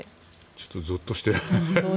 ちょっとぞっとして。